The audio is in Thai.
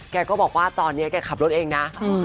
แกก็บอกว่าตอนนี้แกขับรถเองนะ